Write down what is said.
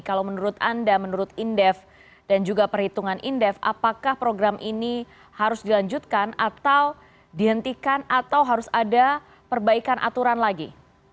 kalau menurut anda menurut indef dan juga perhitungan indef apakah program ini harus dilanjutkan atau dihentikan atau harus ada perbaikan aturan lagi